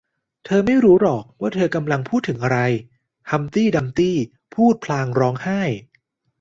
เธอไม่รู้หรอกว่าเธอกำลังพูดถึงอะไร ฮัมพ์ตี้ดัมพ์ตี้พูดพลางร้องไห้